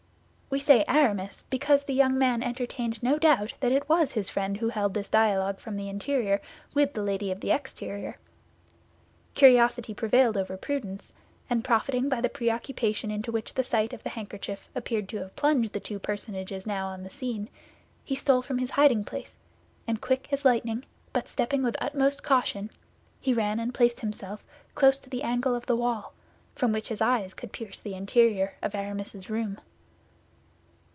We say Aramis, because the young man entertained no doubt that it was his friend who held this dialogue from the interior with the lady of the exterior. Curiosity prevailed over prudence; and profiting by the preoccupation into which the sight of the handkerchief appeared to have plunged the two personages now on the scene, he stole from his hiding place, and quick as lightning, but stepping with utmost caution, he ran and placed himself close to the angle of the wall, from which his eye could pierce the interior of Aramis's room.